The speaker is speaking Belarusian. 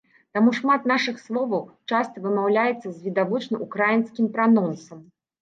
Таму шмат нашых словаў часта вымаўляюцца з відавочна ўкраінскім пранонсам.